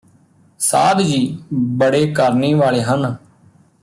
ਸਾਧ ਜੀ ਬੜੀ ਕਰਨੀ ਵਾਲੇ ਹਨ